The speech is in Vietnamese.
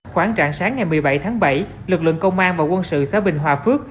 khoảng trạng sáng ngày một mươi bảy tháng bảy lực lượng công an và quân sự xã bình hòa phước